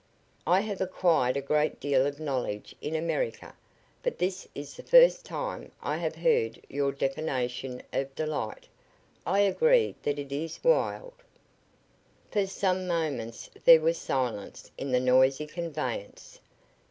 "I have acquired a great deal of knowledge in America, but this is the first time I have heard your definition of delight. I agree that it is wild." For some moments there was silence in the noisy conveyance.